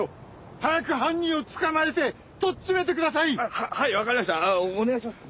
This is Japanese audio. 早く犯人を捕まえてとっちめてください！ははいわかりましたお願いします。